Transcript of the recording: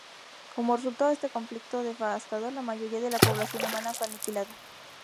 Como resultado de este conflicto devastador, la mayoría de la población humana fue aniquilada.